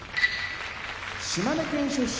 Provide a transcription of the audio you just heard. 島根県出身